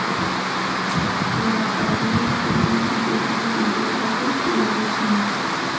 La abadía sufrió daños considerables durante el ataque, que duró diez minutos.